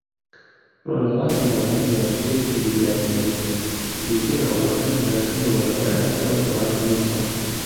ڕۆژھەڵاتی ناوەڕاست ناوچەیەکی جوگرافییە بریتی لە وڵاتەکانی باشووری ڕۆژاوای ئاسیا و وڵاتی میسر